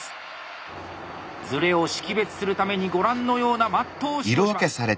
ズレを識別するためにご覧のようなマットを使用します。